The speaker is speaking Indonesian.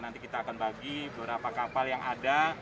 nanti kita akan bagi beberapa kapal yang ada